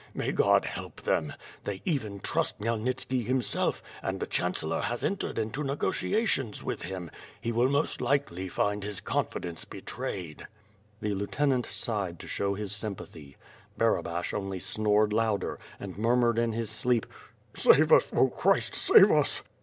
May God help them! They even trust Khmyelnitski himself, and the Chancellor has entered into negotiations with him; he will most likely find his confidence betrayed." The lieutenant sighed to show his sympathy. Barabash only snored louder, and murmured in his sleep: "Save us, Oh Christ! Save us!"